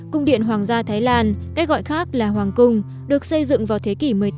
cung điện hoàng gia thái lan cách gọi khác là hoàng cung được xây dựng vào thế kỷ một mươi tám